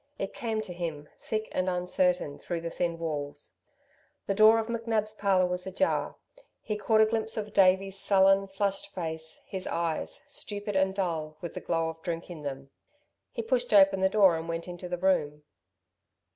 It came to him, thick and uncertain, through the thin walls. The door of McNab's parlour was ajar. He caught a glimpse of Davey's sullen, flushed face, his eyes, stupid and dull, with the glow of drink in them. He pushed open the door and went into the room.